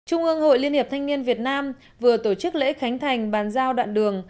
trung ương hội liên hiệp thanh niên việt nam vừa tổ chức lễ khánh thành bàn giao đoạn đường